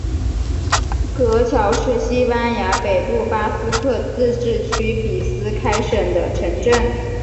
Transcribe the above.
格乔是西班牙北部巴斯克自治区比斯开省的城镇。